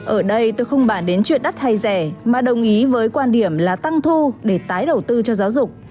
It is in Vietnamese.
ở đây tôi không bàn đến chuyện đắt hay rẻ mà đồng ý với quan điểm là tăng thu để tái đầu tư cho giáo dục